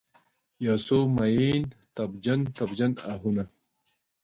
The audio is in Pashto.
یوڅو میین، تبجن، تبجن آهونه